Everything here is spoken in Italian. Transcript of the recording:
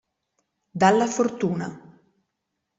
Dalla fortuna.